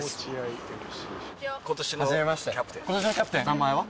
名前は？